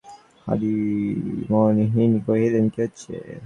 হরিমোহিনী কহিলেন, কী হচ্ছে।